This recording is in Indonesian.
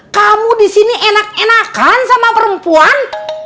kamu disini enak enakan sama perempuan